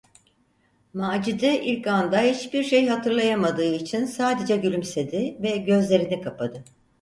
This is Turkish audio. Macide ilk anda hiçbir şey hatırlayamadığı için sadece gülümsedi ve gözlerini kapadı.